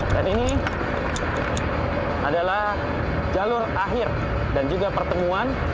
dan ini adalah jalur akhir dan juga pertemuan